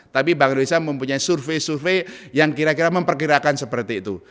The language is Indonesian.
tapi bank indonesia mempunyai survei survei yang kira kira memperkirakan seperti itu